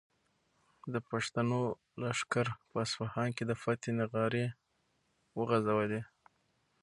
د پښتنو لښکر په اصفهان کې د فتحې نغارې وغږولې.